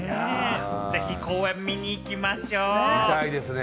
ぜひ公演を見に行きましょう。